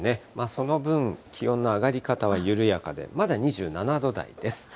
その分、気温の上がり方は緩やかで、まだ２７度台です。